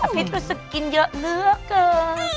อภิกษ์รู้สึกกินเยอะเหลือเกิน